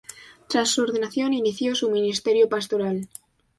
Tras su ordenación, inició su ministerio pastoral.